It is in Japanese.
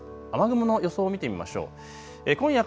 雲の予想を見てみましょう。